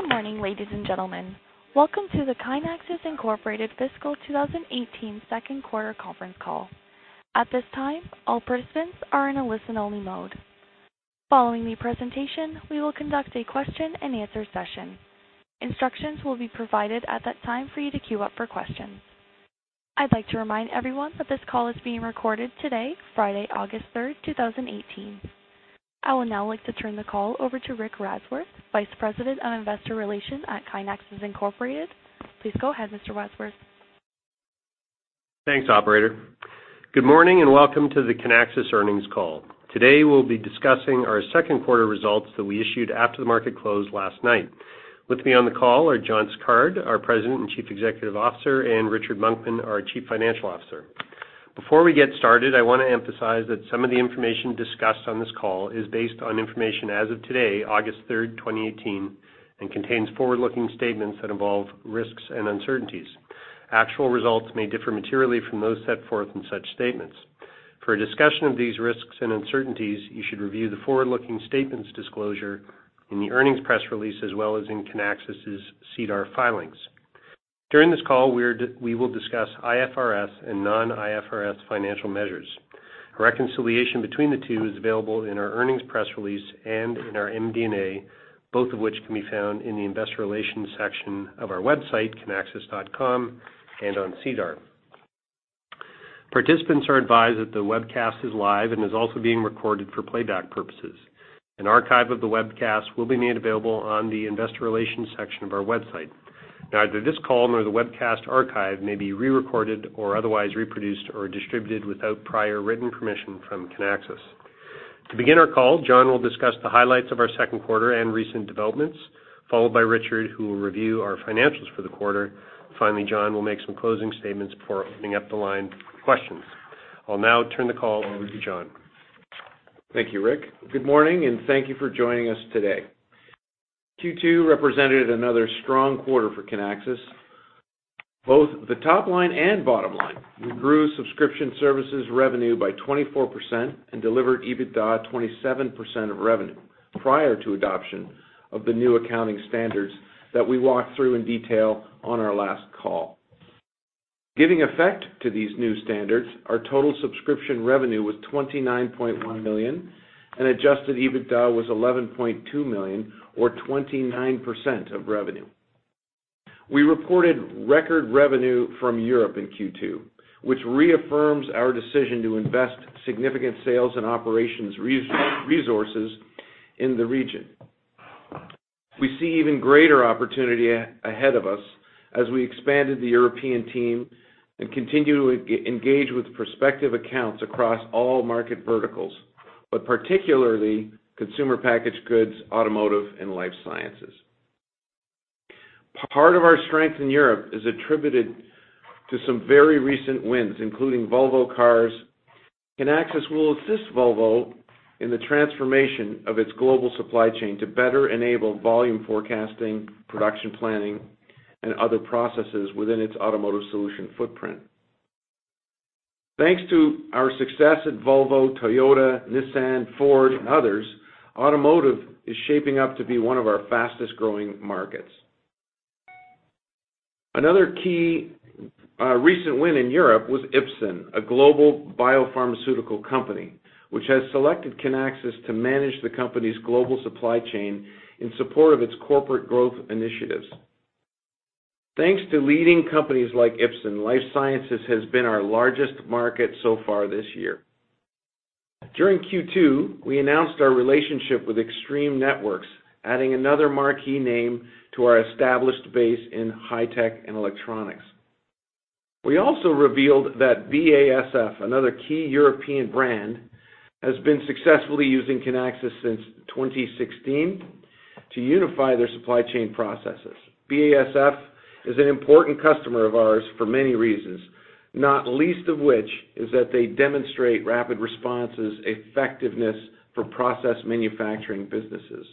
Good morning, ladies and gentlemen. Welcome to the Kinaxis Inc. Fiscal 2018 second quarter conference call. At this time, all participants are in a listen-only mode. Following the presentation, we will conduct a question-and-answer session. Instructions will be provided at that time for you to queue up for questions. I would like to remind everyone that this call is being recorded today, Friday, August 3, 2018. I would now like to turn the call over to Rick Wadsworth, Vice President of Investor Relations at Kinaxis Inc.. Please go ahead, Mr. Wadsworth. Thanks, operator. Good morning, and welcome to the Kinaxis earnings call. Today, we will be discussing our second quarter results that we issued after the market closed last night. With me on the call are John Sicard, our President and Chief Executive Officer, and Richard Monkman, our Chief Financial Officer. Before we get started, I want to emphasize that some of the information discussed on this call is based on information as of today, August 3, 2018, and contains forward-looking statements that involve risks and uncertainties. Actual results may differ materially from those set forth in such statements. For a discussion of these risks and uncertainties, you should review the forward-looking statements disclosure in the earnings press release, as well as in Kinaxis' SEDAR filings. During this call, we will discuss IFRS and non-IFRS financial measures. A reconciliation between the two is available in our earnings press release and in our MD&A, both of which can be found in the Investor Relations section of our website, kinaxis.com, and on SEDAR. Participants are advised that the webcast is live and is also being recorded for playback purposes. An archive of the webcast will be made available on the Investor Relations section of our website. Neither this call nor the webcast archive may be re-recorded or otherwise reproduced or distributed without prior written permission from Kinaxis. To begin our call, John will discuss the highlights of our second quarter and recent developments, followed by Richard, who will review our financials for the quarter. Finally, John will make some closing statements before opening up the line for questions. I'll now turn the call over to John. Thank you, Rick. Good morning, and thank you for joining us today. Q2 represented another strong quarter for Kinaxis, both the top line and bottom line. We grew subscription services revenue by 24% and delivered EBITDA 27% of revenue prior to adoption of the new accounting standards that we walked through in detail on our last call. Giving effect to these new standards, our total subscription revenue was $29.1 million, and adjusted EBITDA was $11.2 million or 29% of revenue. We reported record revenue from Europe in Q2, which reaffirms our decision to invest significant sales and operations resources in the region. We see even greater opportunity ahead of us as we expanded the European team and continue to engage with prospective accounts across all market verticals, but particularly consumer packaged goods, automotive, and life sciences. Part of our strength in Europe is attributed to some very recent wins, including Volvo Cars. Kinaxis will assist Volvo in the transformation of its global supply chain to better enable volume forecasting, production planning, and other processes within its automotive solution footprint. Thanks to our success at Volvo, Toyota, Nissan, Ford, and others, automotive is shaping up to be one of our fastest-growing markets. Another key recent win in Europe was Ipsen, a global biopharmaceutical company, which has selected Kinaxis to manage the company's global supply chain in support of its corporate growth initiatives. Thanks to leading companies like Ipsen, life sciences has been our largest market so far this year. During Q2, we announced our relationship with Extreme Networks, adding another marquee name to our established base in high-tech and electronics. We also revealed that BASF, another key European brand, has been successfully using Kinaxis since 2016 to unify their supply chain processes. BASF is an important customer of ours for many reasons, not least of which is that they demonstrate RapidResponse's effectiveness for process manufacturing businesses.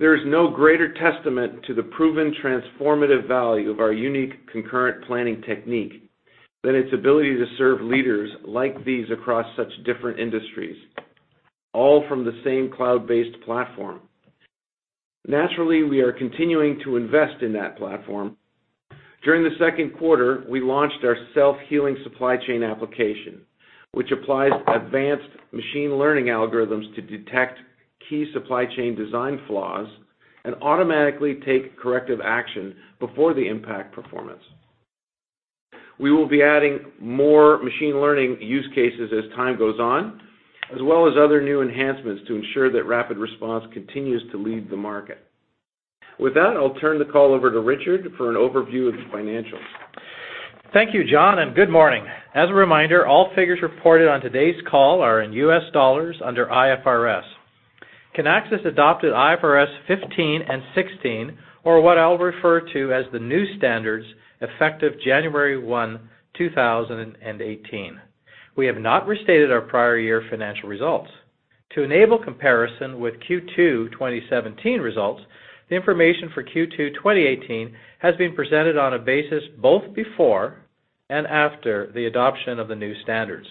There is no greater testament to the proven transformative value of our unique concurrent planning technique than its ability to serve leaders like these across such different industries, all from the same cloud-based platform. Naturally, we are continuing to invest in that platform. During the second quarter, we launched our self-healing supply chain application, which applies advanced machine learning algorithms to detect key supply chain design flaws and automatically take corrective action before they impact performance. We will be adding more machine learning use cases as time goes on, as well as other new enhancements to ensure that RapidResponse continues to lead the market. With that, I'll turn the call over to Richard for an overview of the financials. Thank you, John, and good morning. As a reminder, all figures reported on today's call are in US dollars under IFRS. Kinaxis adopted IFRS 15 and 16, or what I'll refer to as the new standards, effective January 1, 2018. We have not restated our prior year financial results. To enable comparison with Q2 2017 results, the information for Q2 2018 has been presented on a basis both before and after the adoption of the new standards.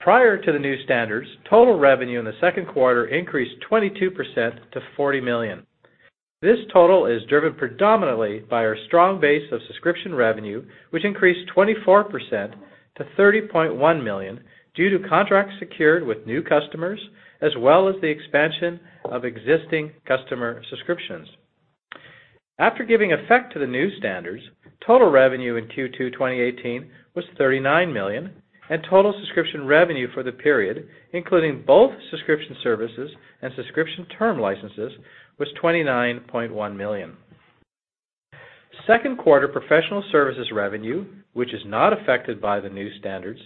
Prior to the new standards, total revenue in the second quarter increased 22% to $40 million. This total is driven predominantly by our strong base of subscription revenue, which increased 24% to $30.1 million due to contracts secured with new customers, as well as the expansion of existing customer subscriptions. After giving effect to the new standards, total revenue in Q2 2018 was $39 million, and total subscription revenue for the period, including both subscription services and subscription term licenses, was $29.1 million. Second quarter professional services revenue, which is not affected by the new standards,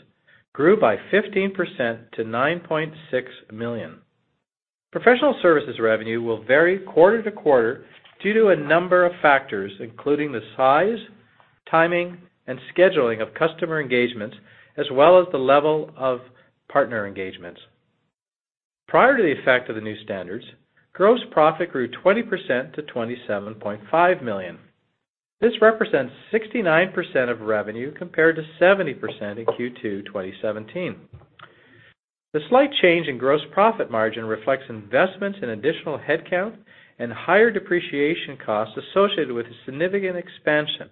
grew by 15% to $9.6 million. Professional services revenue will vary quarter to quarter due to a number of factors, including the size, timing, and scheduling of customer engagements, as well as the level of partner engagements. Prior to the effect of the new standards, gross profit grew 20% to $27.5 million. This represents 69% of revenue, compared to 70% in Q2 2017. The slight change in gross profit margin reflects investments in additional headcount and higher depreciation costs associated with the significant expansion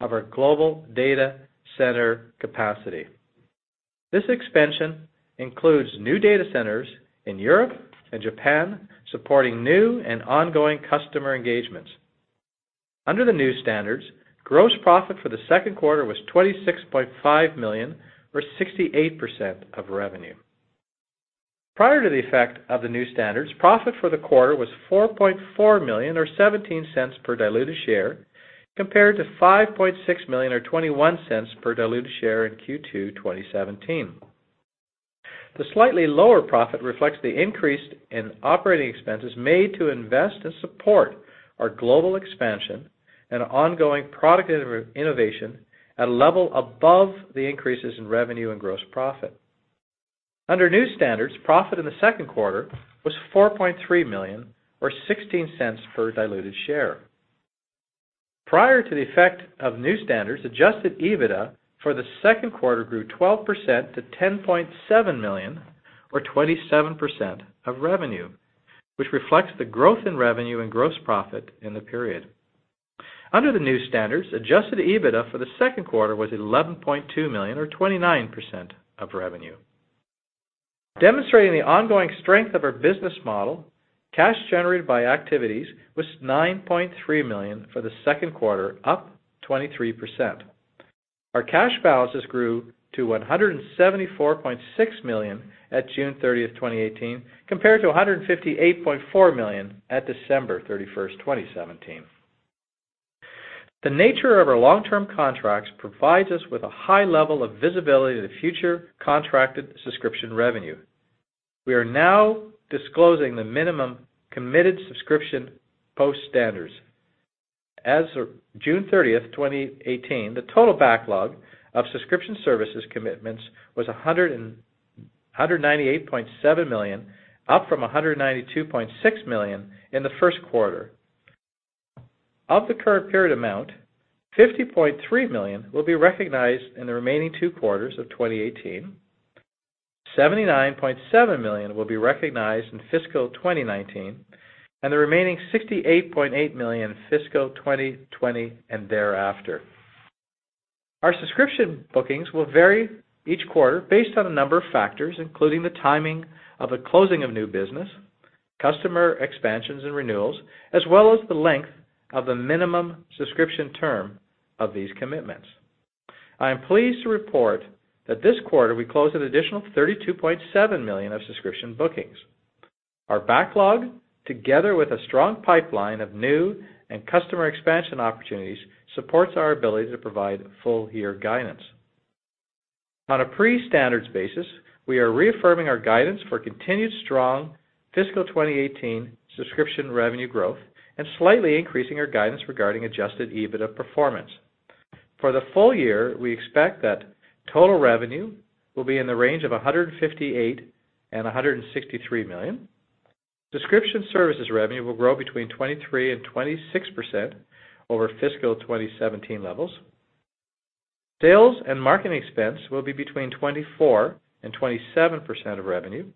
of our global data center capacity. This expansion includes new data centers in Europe and Japan, supporting new and ongoing customer engagements. Under the new standards, gross profit for the second quarter was $26.5 million, or 68% of revenue. Prior to the effect of the new standards, profit for the quarter was $4.4 million, or $0.17 per diluted share, compared to $5.6 million, or $0.21 per diluted share in Q2 2017. The slightly lower profit reflects the increase in operating expenses made to invest and support our global expansion and ongoing product innovation at a level above the increases in revenue and gross profit. Under new standards, profit in the second quarter was $4.3 million, or $0.16 per diluted share. Prior to the effect of new standards, adjusted EBITDA for the second quarter grew 12% to $10.7 million, or 27% of revenue, which reflects the growth in revenue and gross profit in the period. Under the new standards, adjusted EBITDA for the second quarter was $11.2 million, or 29% of revenue. Demonstrating the ongoing strength of our business model, cash generated by activities was $9.3 million for the second quarter, up 23%. Our cash balances grew to $174.6 million at June 30th, 2018, compared to $158.4 million at December 31st, 2017. The nature of our long-term contracts provides us with a high level of visibility to the future contracted subscription revenue. We are now disclosing the minimum committed subscription post-standards. As of June 30th, 2018, the total backlog of subscription services commitments was $198.7 million, up from $192.6 million in the first quarter. Of the current period amount, $50.3 million will be recognized in the remaining two quarters of 2018, $79.7 million will be recognized in fiscal 2019, and the remaining $68.8 million in fiscal 2020 and thereafter. Our subscription bookings will vary each quarter based on a number of factors, including the timing of the closing of new business, customer expansions and renewals, as well as the length of the minimum subscription term of these commitments. I am pleased to report that this quarter we closed an additional $32.7 million of subscription bookings. Our backlog, together with a strong pipeline of new and customer expansion opportunities, supports our ability to provide full year guidance. On a pre-standards basis, we are reaffirming our guidance for continued strong fiscal 2018 subscription revenue growth and slightly increasing our guidance regarding adjusted EBITDA performance. For the full year, we expect that total revenue will be in the range of $158 million and $163 million. Subscription services revenue will grow between 23% and 26% over fiscal 2017 levels. Sales and marketing expense will be between 24% and 27% of revenue.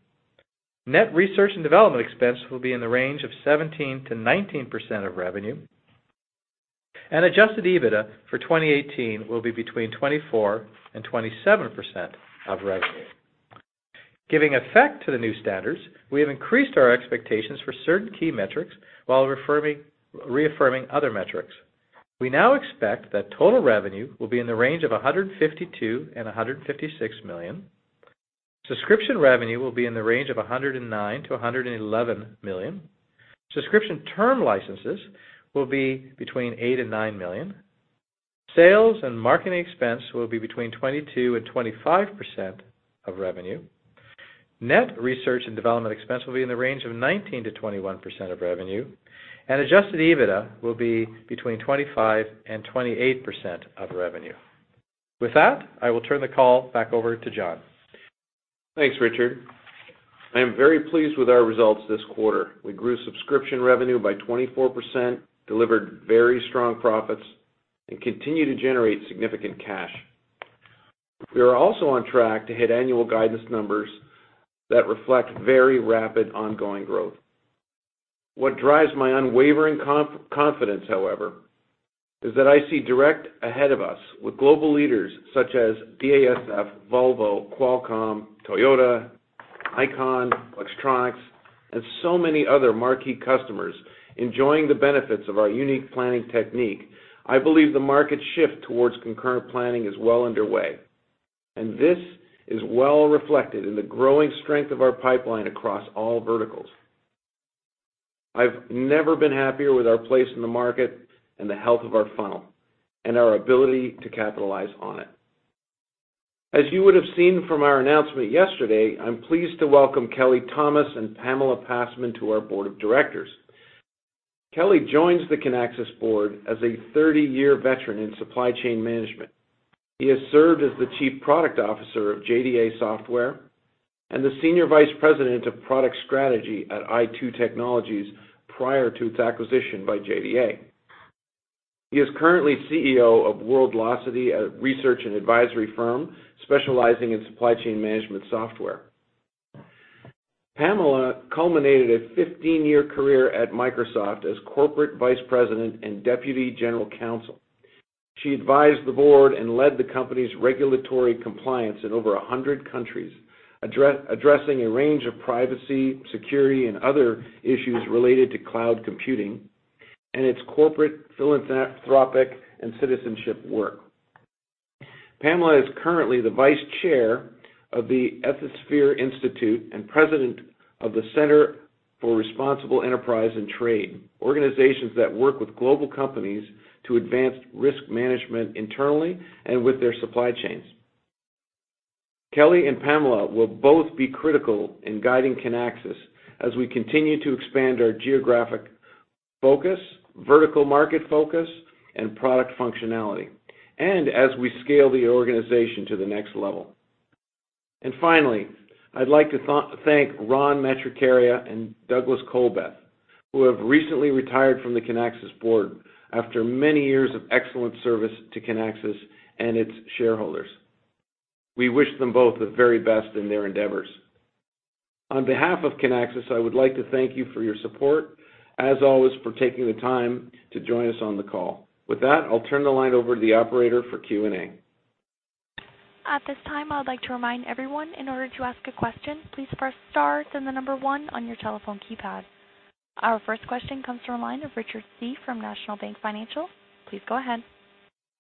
Net research and development expense will be in the range of 17%-19% of revenue. Adjusted EBITDA for 2018 will be between 24% and 27% of revenue. Giving effect to the new standards, we have increased our expectations for certain key metrics while reaffirming other metrics. We now expect that total revenue will be in the range of $152 million and $156 million. Subscription revenue will be in the range of $109 million-$111 million. Subscription term licenses will be between $8 million and $9 million. Sales and marketing expense will be between 22% and 25% of revenue. Net research and development expense will be in the range of 19%-21% of revenue. Adjusted EBITDA will be between 25% and 28% of revenue. With that, I will turn the call back over to John. Thanks, Richard. I am very pleased with our results this quarter. We grew subscription revenue by 24%, delivered very strong profits, and continue to generate significant cash. We are also on track to hit annual guidance numbers that reflect very rapid ongoing growth. What drives my unwavering confidence, however, is that I see direct ahead of us with global leaders such as BASF, Volvo, Qualcomm, Toyota, Icon, Flextronics, and so many other marquee customers enjoying the benefits of our unique planning technique. I believe the market shift towards concurrent planning is well underway. This is well reflected in the growing strength of our pipeline across all verticals. I've never been happier with our place in the market and the health of our funnel and our ability to capitalize on it. As you would've seen from our announcement yesterday, I'm pleased to welcome Kelly Thomas and Pamela Passman to our board of directors. Kelly joins the Kinaxis board as a 30-year veteran in supply chain management. He has served as the Chief Product Officer of JDA Software and the Senior Vice President of Product Strategy at i2 Technologies prior to its acquisition by JDA. He is currently CEO of Worldlocity, a research and advisory firm specializing in supply chain management software. Pamela culminated a 15-year career at Microsoft as Corporate Vice President and Deputy General Counsel. She advised the board and led the company's regulatory compliance in over 100 countries, addressing a range of privacy, security, and other issues related to cloud computing and its corporate philanthropic and citizenship work. Pamela is currently the Vice Chair of the Ethisphere Institute and President of the Center for Responsible Enterprise and Trade, organizations that work with global companies to advance risk management internally and with their supply chains. Kelly and Pamela will both be critical in guiding Kinaxis as we continue to expand our geographic focus, vertical market focus, and product functionality, and as we scale the organization to the next level. Finally, I'd like to thank Ron Matricaria and Douglas Colbeth, who have recently retired from the Kinaxis board after many years of excellent service to Kinaxis and its shareholders. We wish them both the very best in their endeavors. On behalf of Kinaxis, I would like to thank you for your support, as always, for taking the time to join us on the call. With that, I'll turn the line over to the operator for Q&A. At this time, I would like to remind everyone, in order to ask a question, please press star, then the number 1 on your telephone keypad. Our first question comes from the line of Richard Tse from National Bank Financial. Please go ahead.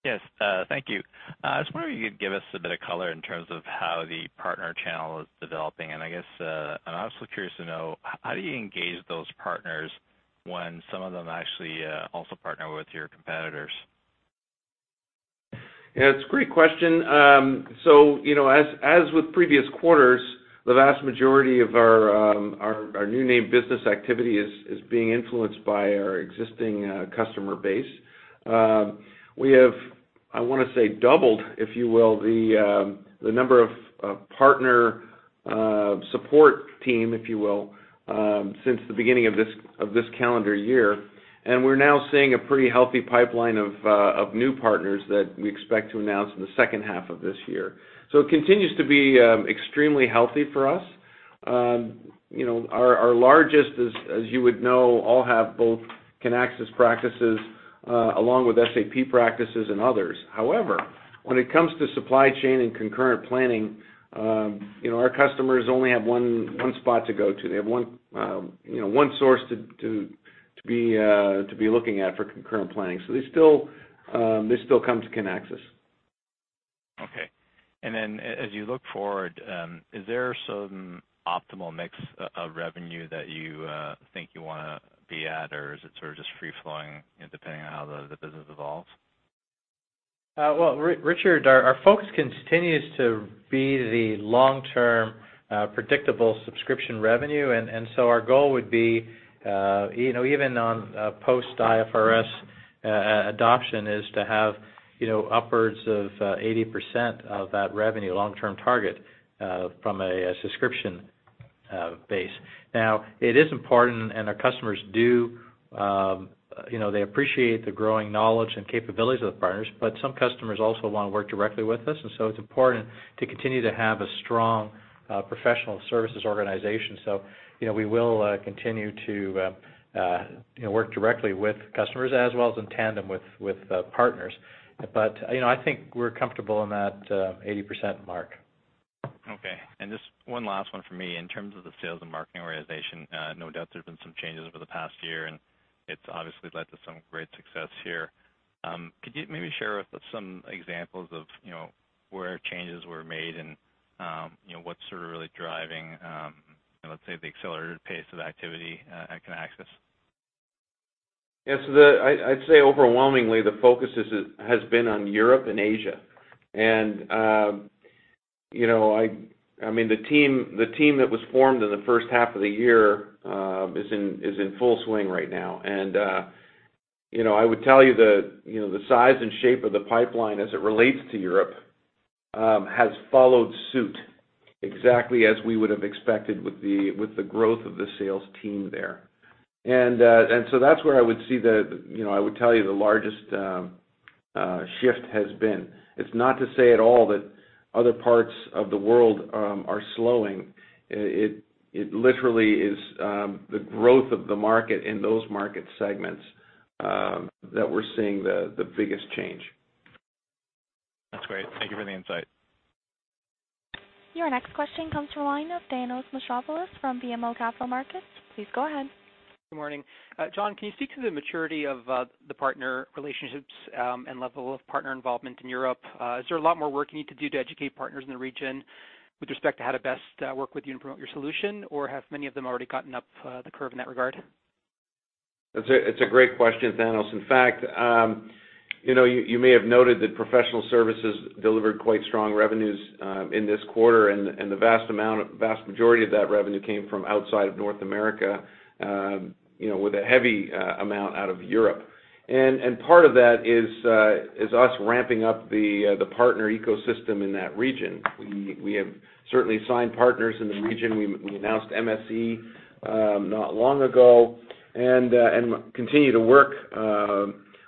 Yes, thank you. I was wondering if you could give us a bit of color in terms of how the partner channel is developing, and I guess, I'm also curious to know, how do you engage those partners when some of them actually also partner with your competitors? Yeah, it's a great question. As with previous quarters, the vast majority of our new name business activity is being influenced by our existing customer base. We have, I want to say, doubled, if you will, the number of partner support team, if you will, since the beginning of this calendar year. We're now seeing a pretty healthy pipeline of new partners that we expect to announce in the second half of this year. It continues to be extremely healthy for us. Our largest, as you would know, all have both Kinaxis practices, along with SAP practices and others. However, when it comes to supply chain and concurrent planning, our customers only have one spot to go to. They have one source to be looking at for concurrent planning. They still come to Kinaxis. Okay. Then as you look forward, is there some optimal mix of revenue that you think you want to be at, or is it sort of just free flowing depending on how the business evolves? Well, Richard, our focus continues to be the long-term, predictable subscription revenue. So our goal would be, even on post-IFRS adoption, is to have upwards of 80% of that revenue long-term target from a subscription base. Now, it is important, our customers appreciate the growing knowledge and capabilities of the partners, some customers also want to work directly with us. So it's important to continue to have a strong professional services organization. We will continue to work directly with customers as well as in tandem with partners. I think we're comfortable in that 80% mark. Okay. Just one last one for me. In terms of the sales and marketing organization, no doubt there's been some changes over the past year, and it's obviously led to some great success here. Could you maybe share with us some examples of where changes were made and what's sort of really driving, let's say, the accelerated pace of activity at Kinaxis? Yeah. I'd say overwhelmingly, the focus has been on Europe and Asia. The team that was formed in the first half of the year is in full swing right now, and I would tell you the size and shape of the pipeline as it relates to Europe has followed suit exactly as we would have expected with the growth of the sales team there. So that's where I would tell you the largest shift has been. It's not to say at all that other parts of the world are slowing. It literally is the growth of the market in those market segments that we're seeing the biggest change. That's great. Thank you for the insight. Your next question comes from the line of Thanos Moschopoulos from BMO Capital Markets. Please go ahead. Good morning. John, can you speak to the maturity of the partner relationships and level of partner involvement in Europe? Is there a lot more work you need to do to educate partners in the region with respect to how to best work with you and promote your solution? Have many of them already gotten up the curve in that regard? It's a great question, Thanos. In fact, you may have noted that professional services delivered quite strong revenues in this quarter, and the vast majority of that revenue came from outside of North America, with a heavy amount out of Europe. Part of that is us ramping up the partner ecosystem in that region. We have certainly signed partners in the region. We announced MSC not long ago and continue to work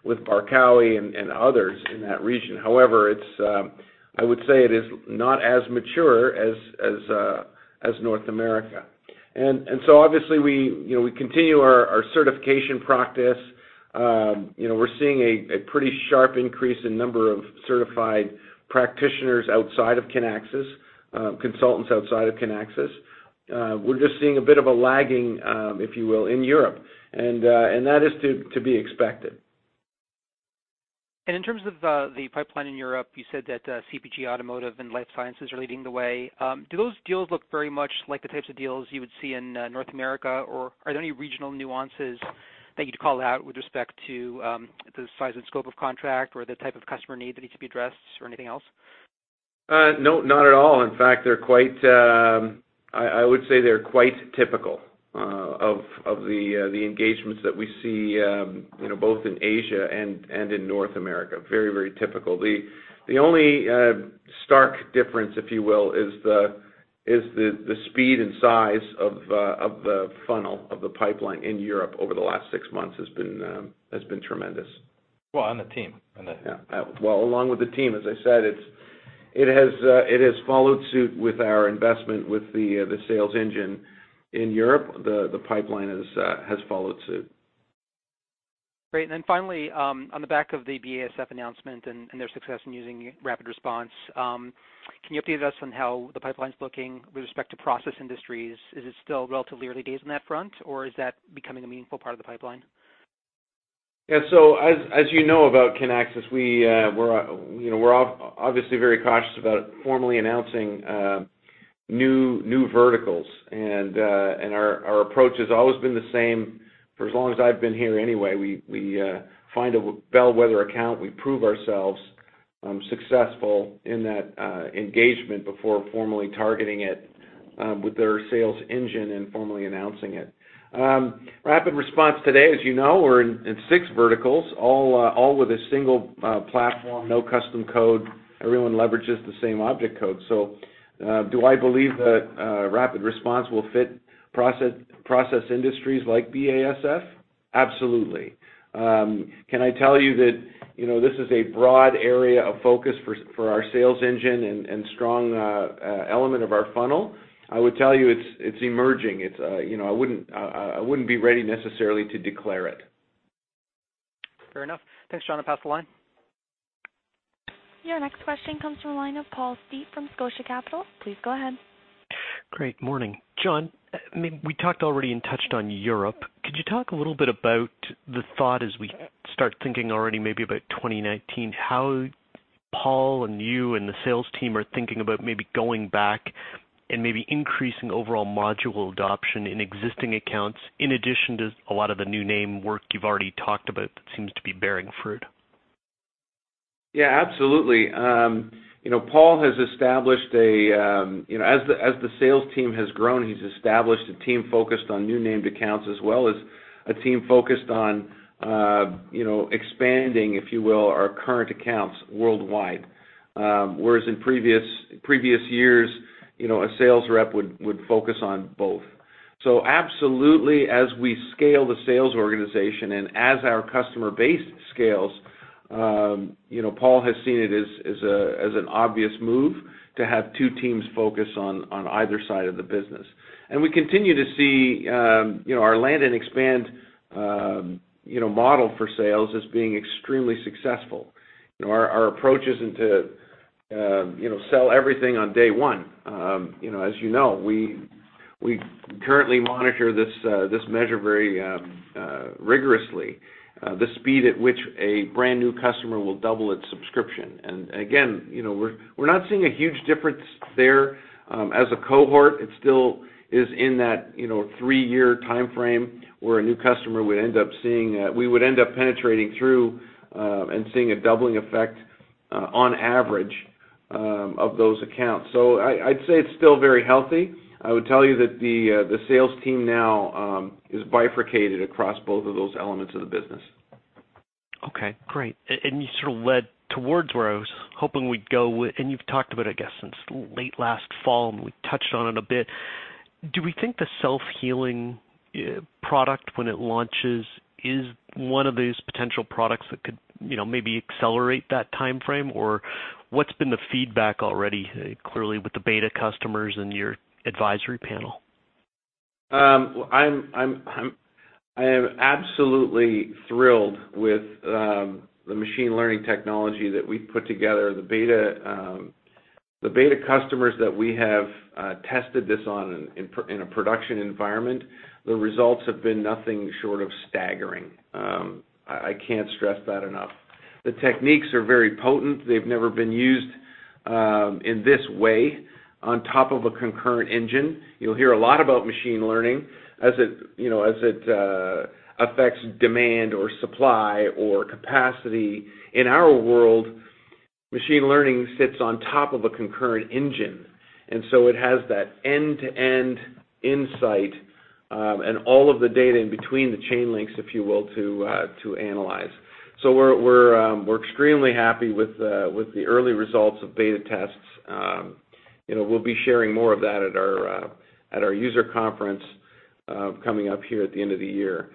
with Barkawi and others in that region. However, I would say it is not as mature as North America. Obviously, we continue our certification practice. We're seeing a pretty sharp increase in number of certified practitioners outside of Kinaxis, consultants outside of Kinaxis. We're just seeing a bit of a lagging, if you will, in Europe, and that is to be expected. In terms of the pipeline in Europe, you said that CPG, automotive, and life sciences are leading the way. Do those deals look very much like the types of deals you would see in North America, or are there any regional nuances that you'd call out with respect to the size and scope of contract or the type of customer need that needs to be addressed or anything else? No, not at all. In fact, I would say they're quite typical of the engagements that we see both in Asia and in North America. Very typical. The only stark difference, if you will, is the speed and size of the funnel of the pipeline in Europe over the last six months has been tremendous. The team. Along with the team, as I said, it has followed suit with our investment with the sales engine in Europe. The pipeline has followed suit. Great. Finally, on the back of the BASF announcement and their success in using RapidResponse, can you update us on how the pipeline's looking with respect to process industries? Is it still relatively early days on that front, or is that becoming a meaningful part of the pipeline? Yeah. As you know about Kinaxis, we're obviously very cautious about formally announcing new verticals. Our approach has always been the same for as long as I've been here anyway. We find a bellwether account, we prove ourselves successful in that engagement before formally targeting it with our sales engine and formally announcing it. RapidResponse today, as you know, we're in six verticals, all with a single platform, no custom code. Everyone leverages the same object code. Do I believe that RapidResponse will fit process industries like BASF? Absolutely. Can I tell you that this is a broad area of focus for our sales engine and strong element of our funnel? I would tell you it's emerging. I wouldn't be ready necessarily to declare it. Fair enough. Thanks, John. I'll pass the line. Your next question comes from the line of Paul Steep from Scotia Capital. Please go ahead. Great, morning. John, we talked already and touched on Europe. Could you talk a little bit about the thought as we start thinking already maybe about 2019, how Paul and you and the sales team are thinking about maybe going back and maybe increasing overall module adoption in existing accounts, in addition to a lot of the new name work you've already talked about that seems to be bearing fruit? Yeah, absolutely. As the sales team has grown, he's established a team focused on new named accounts, as well as a team focused on expanding, if you will, our current accounts worldwide. Whereas in previous years, a sales rep would focus on both. Absolutely, as we scale the sales organization and as our customer base scales, Paul has seen it as an obvious move to have two teams focus on either side of the business. We continue to see our land and expand model for sales as being extremely successful. Our approach isn't to sell everything on day one. As you know, we currently monitor this measure very rigorously, the speed at which a brand-new customer will double its subscription. Again, we're not seeing a huge difference there. As a cohort, it still is in that three-year timeframe where a new customer, we would end up penetrating through and seeing a doubling effect on average of those accounts. I'd say it's still very healthy. I would tell you that the sales team now is bifurcated across both of those elements of the business. Okay, great. You sort of led towards where I was hoping we'd go. You've talked about, I guess, since late last fall, and we touched on it a bit. Do we think the Self-healing product, when it launches, is one of these potential products that could maybe accelerate that timeframe? Or what's been the feedback already, clearly with the beta customers and your advisory panel? I am absolutely thrilled with the machine learning technology that we've put together. The beta customers that we have tested this on in a production environment, the results have been nothing short of staggering. I can't stress that enough. The techniques are very potent. They've never been used in this way on top of a concurrent engine. You'll hear a lot about machine learning as it affects demand or supply or capacity. In our world, machine learning sits on top of a concurrent engine, it has that end-to-end insight, and all of the data in between the chain links, if you will, to analyze. We're extremely happy with the early results of beta tests. We'll be sharing more of that at our user conference coming up here at the end of the year.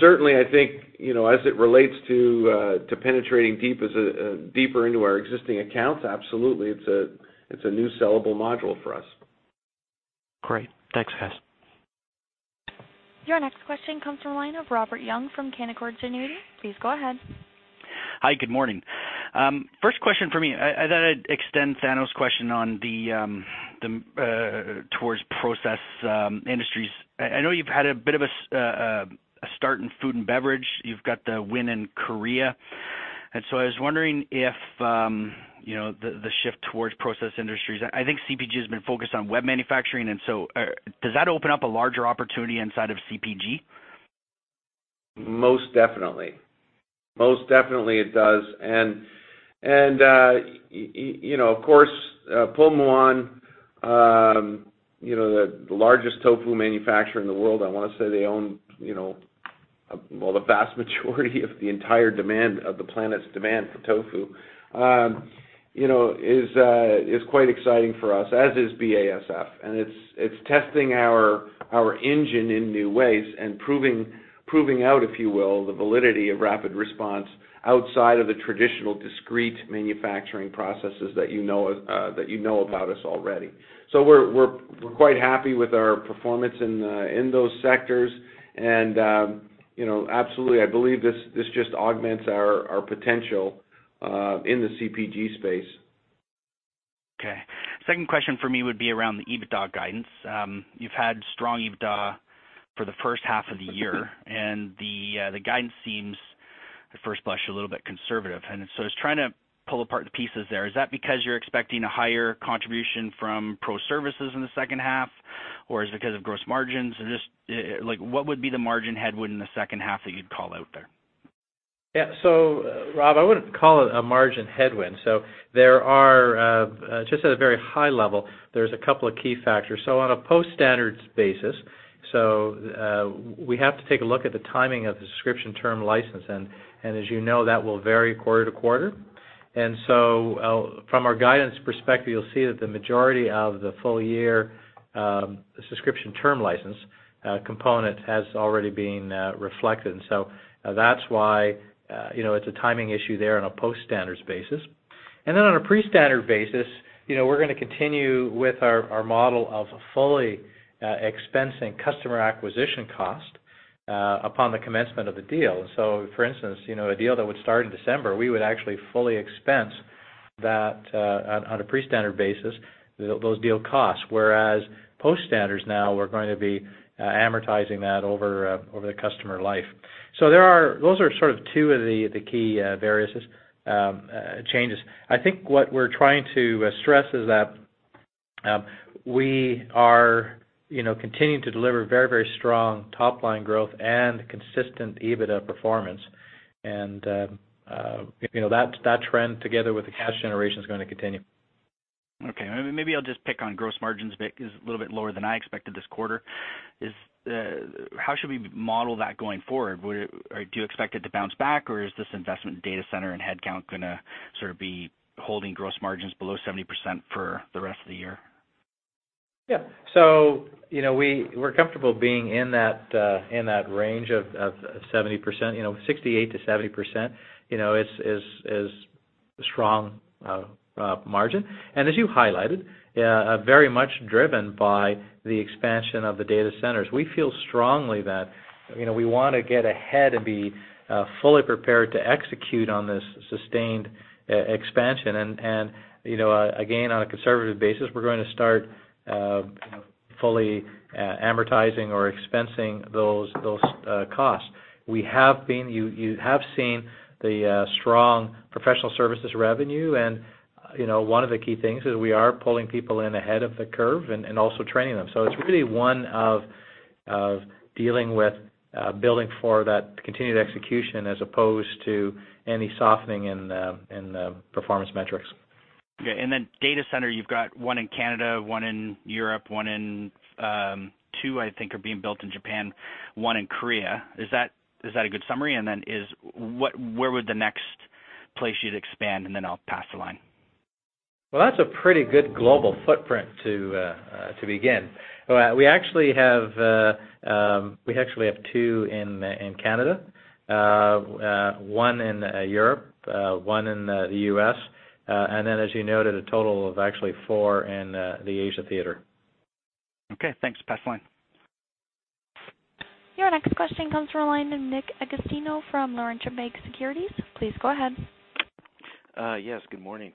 Certainly, I think, as it relates to penetrating deeper into our existing accounts, absolutely, it's a new sellable module for us. Great. Thanks, [Hess]. Your next question comes from the line of Robert Young from Canaccord Genuity. Please go ahead. Hi, good morning. First question for me, I thought I'd extend Thanos's question towards process industries. I know you've had a bit of a start in food and beverage. You've got the win in Korea. I was wondering if the shift towards process industries, I think CPG has been focused on web manufacturing, does that open up a larger opportunity inside of CPG? Most definitely. Most definitely it does. Of course, Pulmuone, the largest tofu manufacturer in the world, I want to say they own, well, the vast majority of the entire demand of the planet's demand for tofu, is quite exciting for us, as is BASF. It's testing our engine in new ways and proving out, if you will, the validity of RapidResponse outside of the traditional discrete manufacturing processes that you know about us already. We're quite happy with our performance in those sectors, and absolutely, I believe this just augments our potential in the CPG space. Okay. Second question for me would be around the EBITDA guidance. You've had strong EBITDA for the first half of the year, the guidance seems, at first blush, a little bit conservative. I was trying to pull apart the pieces there. Is that because you're expecting a higher contribution from pro services in the second half, or is it because of gross margins? What would be the margin headwind in the second half that you'd call out there? Rob, I wouldn't call it a margin headwind. Just at a very high level, there's a couple of key factors. On a post-standards basis, we have to take a look at the timing of the subscription term license, and as you know, that will vary quarter-to-quarter. From our guidance perspective, you'll see that the majority of the full-year subscription term license component has already been reflected. That's why it's a timing issue there on a post-standards basis. On a pre-standard basis, we're going to continue with our model of fully expensing customer acquisition cost upon the commencement of a deal. For instance, a deal that would start in December, we would actually fully expense that on a pre-standard basis, those deal costs, whereas post-standards now, we're going to be amortizing that over the customer life. Those are sort of two of the key changes. I think what we're trying to stress is that we are continuing to deliver very strong top-line growth and consistent EBITDA performance. That trend together with the cash generation is going to continue. Okay. Maybe I'll just pick on gross margins because it's a little bit lower than I expected this quarter. How should we model that going forward? Do you expect it to bounce back, or is this investment in data center and headcount going to sort of be holding gross margins below 70% for the rest of the year? Yeah. We're comfortable being in that range of 70%. 68%-70% is strong margin. As you highlighted, very much driven by the expansion of the data centers. We feel strongly that we want to get ahead and be fully prepared to execute on this sustained expansion. Again, on a conservative basis, we're going to start fully amortizing or expensing those costs. You have seen the strong professional services revenue, and one of the key things is we are pulling people in ahead of the curve and also training them. It's really one of dealing with building for that continued execution as opposed to any softening in the performance metrics. Okay. Data center, you've got one in Canada, one in Europe, two, I think, are being built in Japan, one in Korea. Is that a good summary? Where would the next place you'd expand? I'll pass the line. Well, that's a pretty good global footprint to begin. We actually have two in Canada, one in Europe, one in the U.S., and then, as you noted, a total of actually four in the Asia theater. Okay, thanks. Pass the line. Your next question comes from the line of Nick Agostino from Laurentian Bank Securities. Please go ahead. Yes, good morning.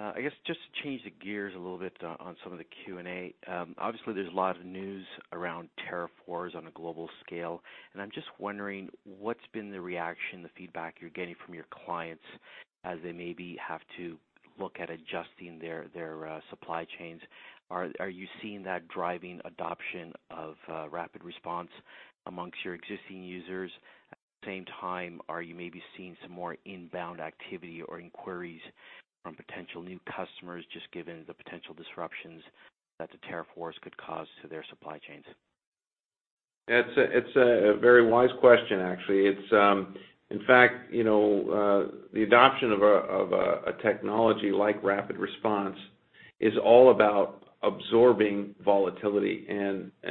I guess just to change the gears a little bit on some of the Q&A. Obviously, there's a lot of news around tariff wars on a global scale. I'm just wondering what's been the reaction, the feedback you're getting from your clients as they maybe have to look at adjusting their supply chains. Are you seeing that driving adoption of RapidResponse amongst your existing users? At the same time, are you maybe seeing some more inbound activity or inquiries from potential new customers, just given the potential disruptions that the tariff wars could cause to their supply chains? It's a very wise question, actually. In fact, the adoption of a technology like RapidResponse is all about absorbing volatility,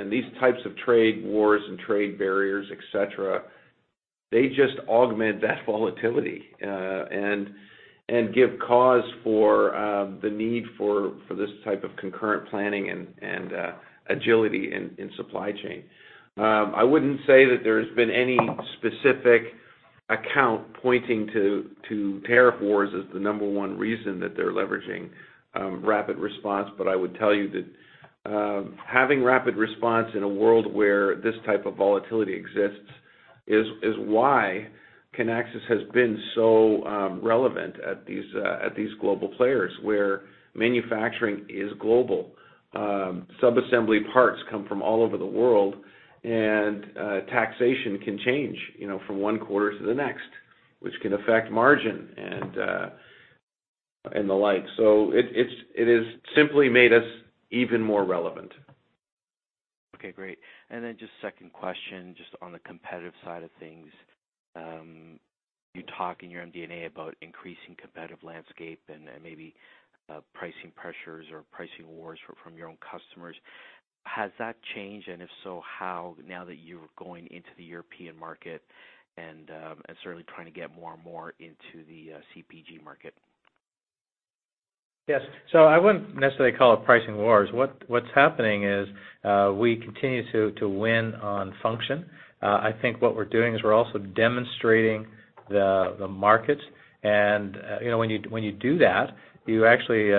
these types of trade wars and trade barriers, et cetera, they just augment that volatility, give cause for the need for this type of concurrent planning and agility in supply chain. I wouldn't say that there's been any specific account pointing to tariff wars as the number one reason that they're leveraging RapidResponse. I would tell you that having RapidResponse in a world where this type of volatility exists is why Kinaxis has been so relevant at these global players where manufacturing is global. Subassembly parts come from all over the world, taxation can change from one quarter to the next, which can affect margin and the like. It has simply made us even more relevant. Okay, great. Then just second question, just on the competitive side of things. You talk in your MD&A about increasing competitive landscape and maybe pricing pressures or pricing wars from your own customers. Has that changed, if so, how, now that you're going into the European market and certainly trying to get more and more into the CPG market? Yes. I wouldn't necessarily call it pricing wars. What's happening is we continue to win on function. I think what we're doing is we're also demonstrating the markets, when you do that, you actually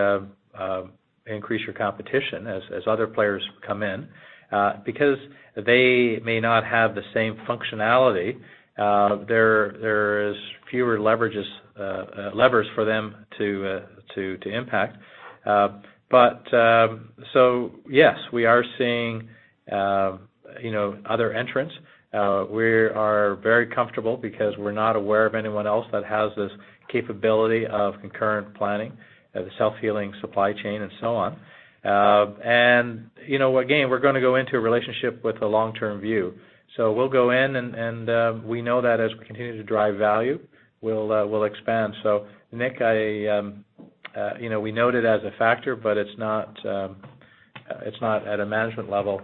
increase your competition as other players come in, because they may not have the same functionality. There is fewer levers for them to impact. Yes, we are seeing other entrants. We are very comfortable because we're not aware of anyone else that has this capability of concurrent planning, the self-healing supply chain, so on. Again, we're going to go into a relationship with a long-term view. We'll go in, we know that as we continue to drive value, we'll expand. Nick, we note it as a factor, but it's not at a management level,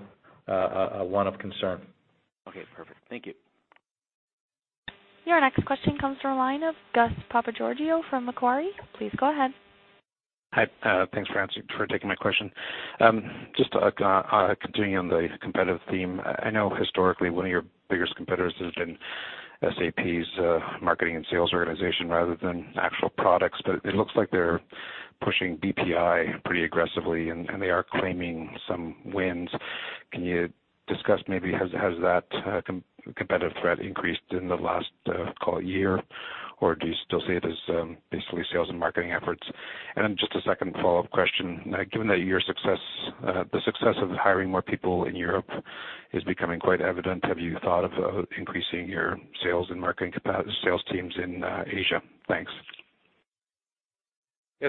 one of concern. Okay, perfect. Thank you. Your next question comes from the line of Gus Papageorgiou from Macquarie. Please go ahead. Hi. Thanks for taking my question. Just continuing on the competitive theme. I know historically one of your biggest competitors has been SAP's marketing and sales organization rather than actual products, but it looks like they are pushing IBP pretty aggressively, and they are claiming some wins. Can you discuss maybe, has that competitive threat increased in the last, call it year, or do you still see it as basically sales and marketing efforts? Then just a second follow-up question. Given that the success of hiring more people in Europe is becoming quite evident, have you thought about increasing your sales and marketing sales teams in Asia? Thanks.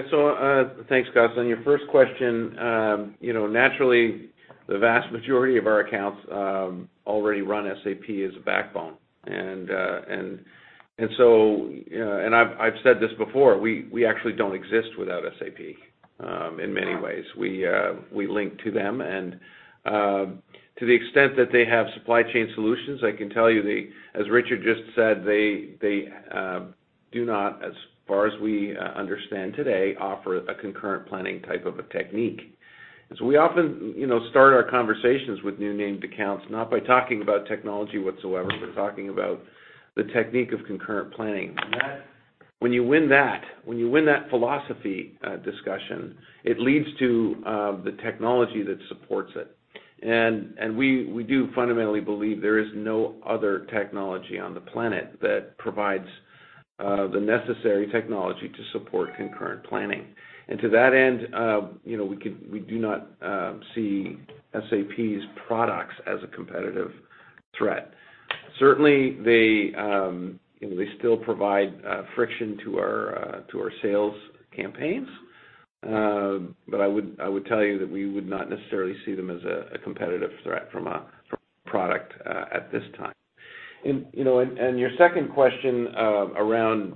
Thanks, Gus. On your first question, naturally, the vast majority of our accounts already run SAP as a backbone. I've said this before, we actually don't exist without SAP, in many ways. We link to them, and to the extent that they have supply chain solutions, I can tell you, as Richard just said, they do not, as far as we understand today, offer a concurrent planning type of a technique. We often start our conversations with new named accounts, not by talking about technology whatsoever, but talking about the technique of concurrent planning. When you win that philosophy discussion, it leads to the technology that supports it. We do fundamentally believe there is no other technology on the planet that provides the necessary technology to support concurrent planning. To that end, we do not see SAP's products as a competitive threat. Certainly, they still provide friction to our sales campaigns. I would tell you that we would not necessarily see them as a competitive threat from a product at this time. Your second question around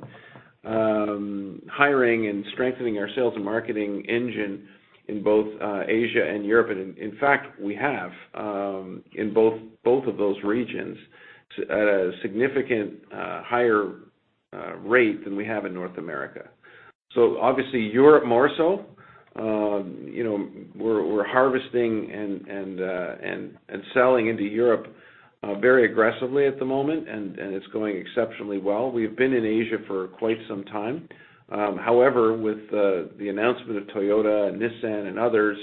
hiring and strengthening our sales and marketing engine in both Asia and Europe. In fact, we have in both of those regions at a significant higher rate than we have in North America. Obviously, Europe more so. We're harvesting and selling into Europe very aggressively at the moment, and it's going exceptionally well. We've been in Asia for quite some time. However, with the announcement of Toyota, Nissan, and others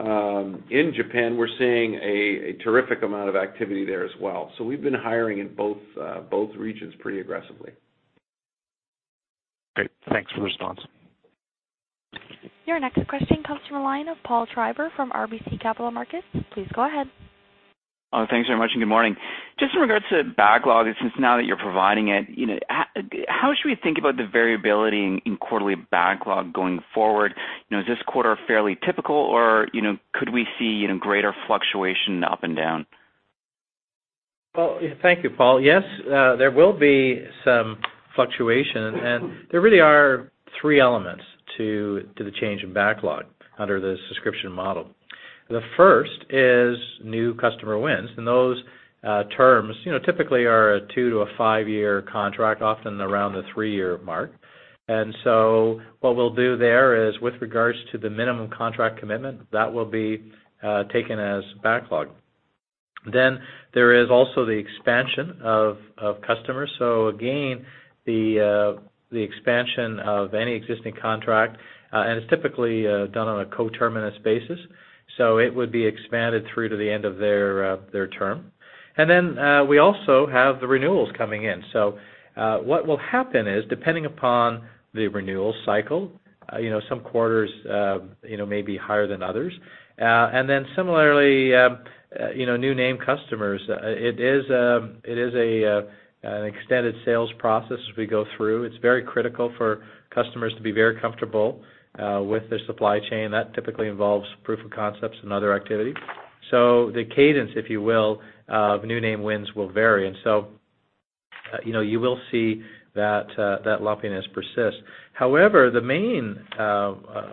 in Japan, we're seeing a terrific amount of activity there as well. We've been hiring in both regions pretty aggressively. Great. Thanks for the response. Your next question comes from the line of Paul Treiber from RBC Capital Markets. Please go ahead. Thanks very much. Good morning. Just in regards to backlog, since now that you're providing it, how should we think about the variability in quarterly backlog going forward? Is this quarter fairly typical or could we see greater fluctuation up and down? Well, thank you, Paul. Yes. There will be some fluctuation, and there really are three elements to the change in backlog under the subscription model. The first is new customer wins, and those terms typically are a two to five-year contract, often around the three-year mark. What we'll do there is with regards to the minimum contract commitment, that will be taken as backlog. There is also the expansion of customers. Again, the expansion of any existing contract, and it's typically done on a coterminous basis. It would be expanded through to the end of their term. We also have the renewals coming in. What will happen is, depending upon the renewal cycle, some quarters may be higher than others. Similarly, new name customers. It is an extended sales process as we go through. It's very critical for customers to be very comfortable with their supply chain. That typically involves proof of concepts and other activities. The cadence, if you will, of new name wins will vary. You will see that lumpiness persist. However, the main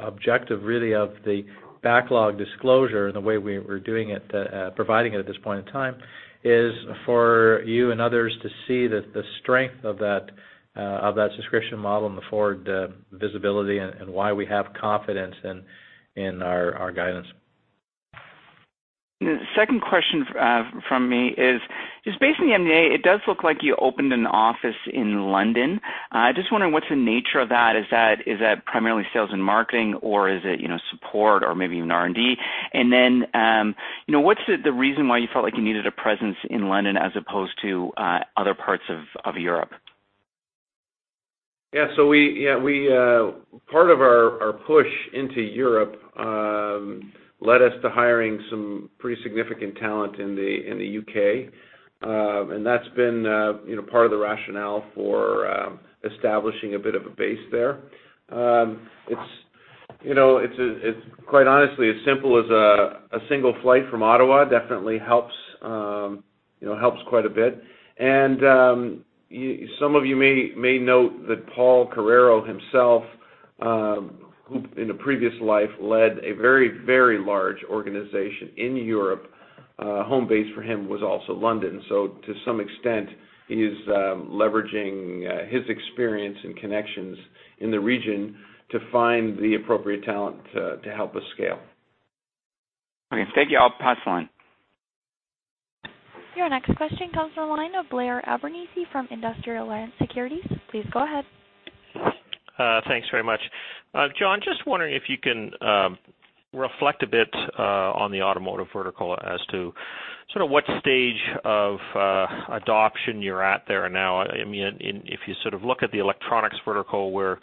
objective really of the backlog disclosure and the way we're doing it, providing it at this point in time, is for you and others to see the strength of that subscription model and the forward visibility and why we have confidence in our guidance. The second question from me is, just based on the MD&A, it does look like you opened an office in London. I just wonder what's the nature of that. Is that primarily sales and marketing, or is it support or maybe even R&D? What's the reason why you felt like you needed a presence in London as opposed to other parts of Europe? Yeah. Part of our push into Europe led us to hiring some pretty significant talent in the U.K. That's been part of the rationale for establishing a bit of a base there. It's quite honestly as simple as a single flight from Ottawa, definitely helps quite a bit. Some of you may note that Paul Carreiro himself, who, in a previous life, led a very large organization in Europe, home base for him was also London. To some extent, he's leveraging his experience and connections in the region to find the appropriate talent to help us scale. Okay. Thank you. I'll pass the line. Your next question comes from the line of Blair Abernethy from Industrial Alliance Securities. Please go ahead. Thanks very much. John, just wondering if you can reflect a bit on the automotive vertical as to sort of what stage of adoption you're at there now. If you sort of look at the electronics vertical, where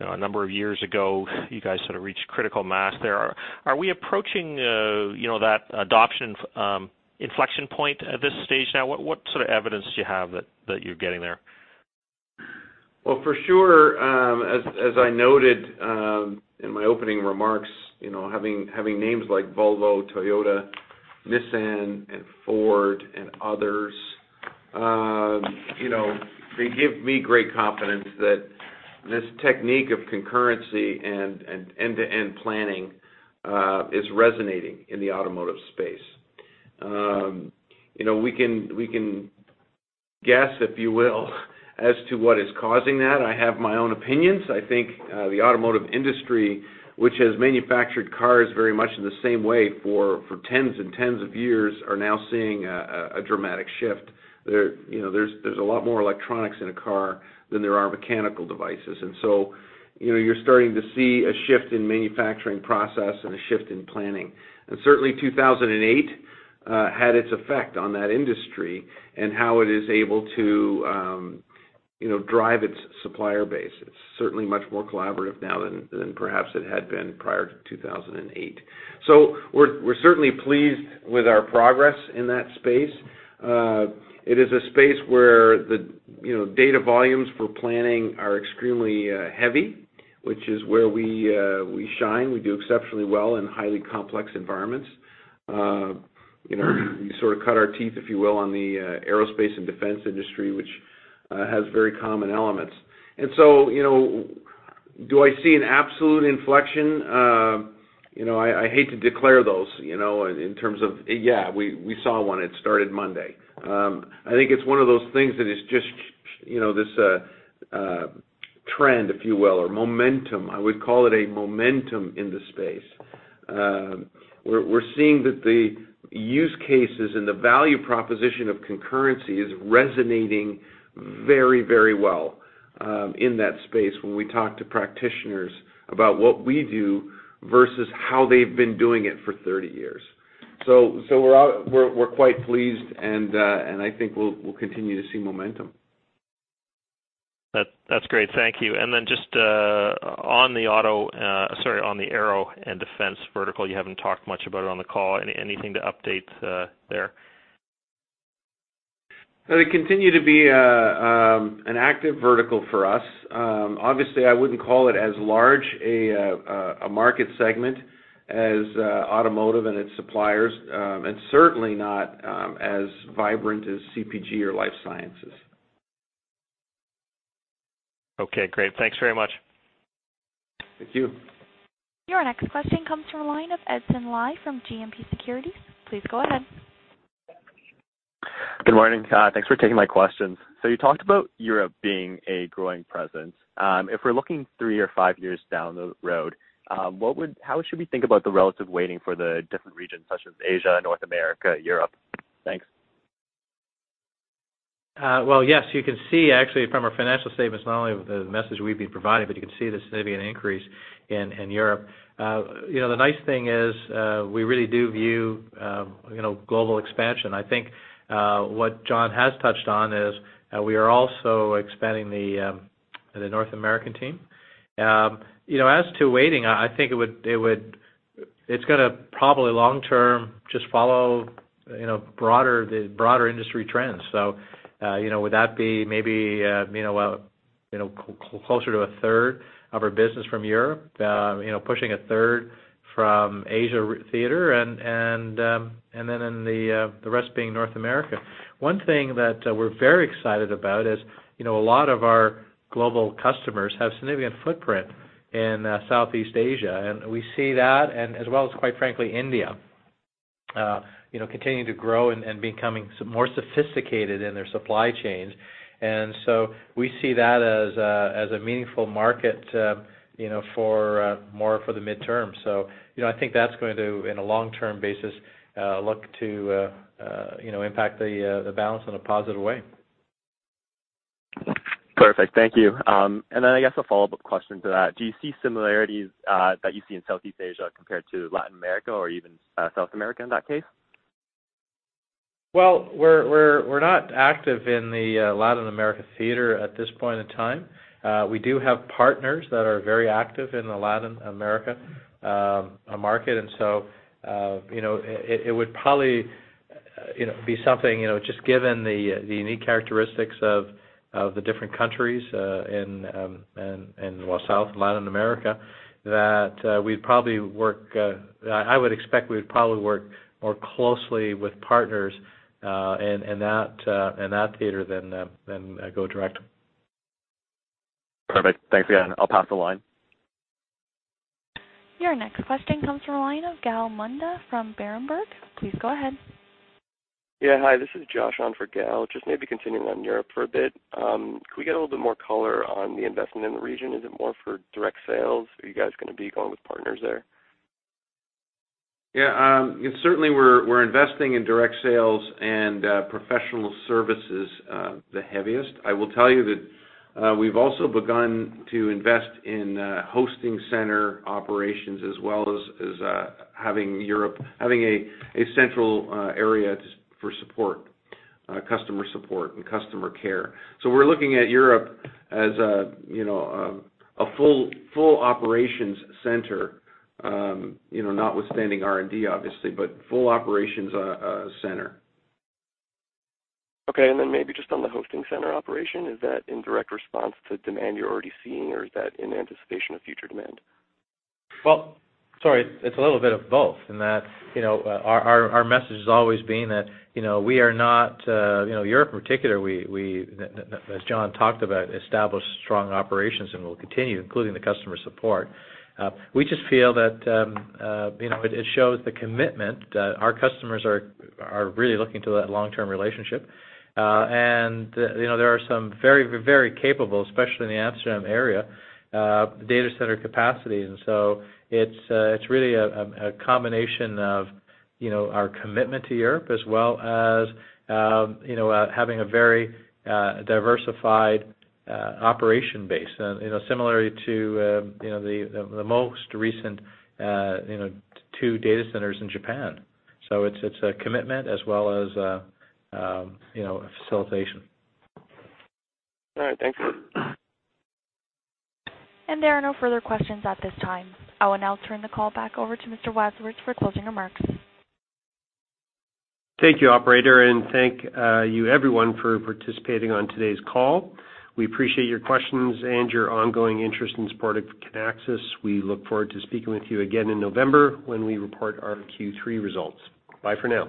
a number of years ago you guys sort of reached critical mass there, are we approaching that adoption inflection point at this stage now? What sort of evidence do you have that you're getting there? Well, for sure, as I noted in my opening remarks, having names like Volvo, Toyota, Nissan, and Ford, and others, they give me great confidence that this technique of concurrency and end-to-end planning is resonating in the automotive space. We can guess, if you will, as to what is causing that. I have my own opinions. I think the automotive industry, which has manufactured cars very much in the same way for tens and tens of years, are now seeing a dramatic shift. There's a lot more electronics in a car than there are mechanical devices. You're starting to see a shift in manufacturing process and a shift in planning. Certainly 2008 had its effect on that industry and how it is able to drive its supplier base. It's certainly much more collaborative now than perhaps it had been prior to 2008. We're certainly pleased with our progress in that space. It is a space where the data volumes for planning are extremely heavy, which is where we shine. We do exceptionally well in highly complex environments. We sort of cut our teeth, if you will, on the aerospace and defense industry, which has very common elements. Do I see an absolute inflection? I hate to declare those, in terms of, "Yeah, we saw one, it started Monday." I think it's one of those things that is just this trend, if you will, or momentum. I would call it a momentum in the space. We're seeing that the use cases and the value proposition of concurrency is resonating very well in that space when we talk to practitioners about what we do versus how they've been doing it for 30 years. We're quite pleased, and I think we'll continue to see momentum. That's great. Thank you. Then just on the aero and defense vertical, you haven't talked much about it on the call. Anything to update there? They continue to be an active vertical for us. Obviously, I wouldn't call it as large a market segment as automotive and its suppliers, and certainly not as vibrant as CPG or life sciences. Great. Thanks very much. Thank you. Your next question comes from the line of Edson Lai from GMP Securities. Please go ahead. Good morning. Thanks for taking my questions. You talked about Europe being a growing presence. If we're looking three or five years down the road, how should we think about the relative weighting for the different regions such as Asia, North America, Europe? Thanks. Yes, you can see actually from our financial statements, not only the message we've been providing, but you can see the significant increase in Europe. The nice thing is, we really do view global expansion. I think what John has touched on is we are also expanding the North American team. As to weighting, I think it's going to probably long term, just follow the broader industry trends. Would that be maybe closer to a third of our business from Europe, pushing a third from Asia theater, and then the rest being North America. One thing that we're very excited about is a lot of our global customers have significant footprint in Southeast Asia, and we see that, and as well as quite frankly, India continuing to grow and becoming more sophisticated in their supply chains. We see that as a meaningful market more for the midterm. I think that's going to, in a long-term basis, look to impact the balance in a positive way. Perfect. Thank you. I guess a follow-up question to that, do you see similarities that you see in Southeast Asia compared to Latin America or even South America in that case? Well, we're not active in the Latin America theater at this point in time. We do have partners that are very active in the Latin America market, it would probably be something, just given the unique characteristics of the different countries in South Latin America, that I would expect we'd probably work more closely with partners in that theater than go direct. Perfect. Thanks again. I'll pass the line. Your next question comes from the line of Gal Munda from Berenberg. Please go ahead. Yeah. Hi, this is Josh on for Gal. Maybe continuing on Europe for a bit. Could we get a little bit more color on the investment in the region? Is it more for direct sales? Are you guys going to be going with partners there? Yeah. Certainly, we're investing in direct sales and professional services the heaviest. I will tell you that we've also begun to invest in hosting center operations, as well as having a central area for customer support and customer care. We're looking at Europe as a full operations center, notwithstanding R&D obviously, but full operations center. Okay, maybe on the hosting center operation, is that in direct response to demand you're already seeing, or is that in anticipation of future demand? Well, sorry. It's a little bit of both in that our message has always been that Europe in particular, as John talked about, established strong operations, and we'll continue, including the customer support. We just feel that it shows the commitment that our customers are really looking to that long-term relationship. There are some very capable, especially in the Amsterdam area, data center capacity. It's really a combination of our commitment to Europe as well as having a very diversified operation base. Similarly to the most recent two data centers in Japan. It's a commitment as well as facilitation. All right, thanks. There are no further questions at this time. I will now turn the call back over to Mr. Wadsworth for closing remarks. Thank you, operator, and thank you everyone for participating on today's call. We appreciate your questions and your ongoing interest and support of Kinaxis. We look forward to speaking with you again in November when we report our Q3 results. Bye for now.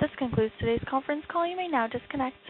This concludes today's conference call. You may now disconnect.